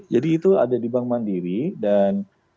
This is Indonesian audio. jadi itu ada di bank mandiri dan